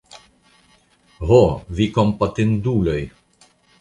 Ho, vi kompatinduloj!